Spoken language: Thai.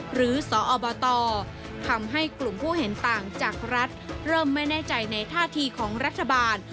หรือสอบตทำให้กลุ่มผู้เห็นต่างจากรัฐเริ่มไม่แน่ใจในท่าทีของรัฐบาล